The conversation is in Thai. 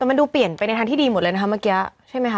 แต่มันดูเปลี่ยนไปในทางที่ดีหมดเลยนะคะเมื่อกี้ใช่ไหมคะ